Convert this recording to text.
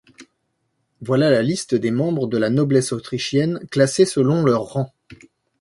Voilà la liste des membres de la noblesse autrichienne classés selon leur rang.